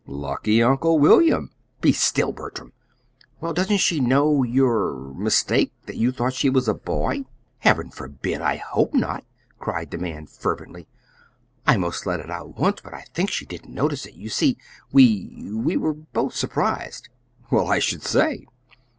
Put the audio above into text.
"Lucky Uncle William!" "Be still, Bertram!" "Well, doesn't she know your mistake? that you thought she was a boy?" "Heaven forbid! I hope not," cried the man, fervently. "I 'most let it out once, but I think she didn't notice it. You see, we we were both surprised." "Well, I should say!"